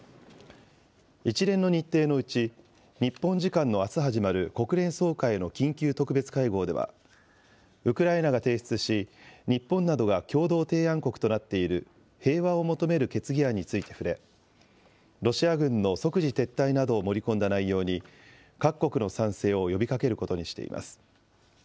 一連の日程のうち、日本時間のあす始まる国連総会の緊急特別会合では、ウクライナが提出し、日本などが共同提案国となっている平和を求める決議案について触れ、ロシア軍の即時撤退などを盛り込んだ内容に、各国の賛成を呼びかけることにしています。